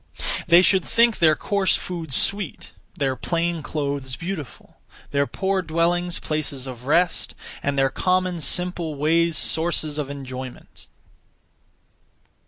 They should think their (coarse) food sweet; their (plain) clothes beautiful; their (poor) dwellings places of rest; and their common (simple) ways sources of enjoyment.